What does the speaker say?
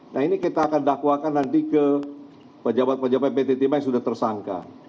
nah ini kita akan dakwakan nanti ke pejabat pejabat pt timah yang sudah tersangka